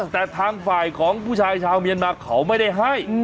แต่ทางฝ่ายของผู้ชายชาวเมียนมาเขาไม่ได้ให้